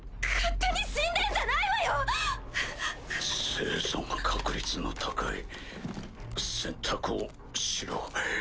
生存確率の高い選択をしろ。